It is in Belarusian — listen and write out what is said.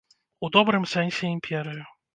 У добрым сэнсе імперыю.